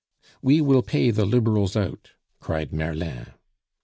"We will pay the Liberals out," cried Merlin.